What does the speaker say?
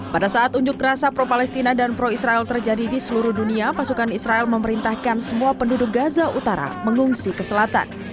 pada saat unjuk rasa pro palestina dan pro israel terjadi di seluruh dunia pasukan israel memerintahkan semua penduduk gaza utara mengungsi ke selatan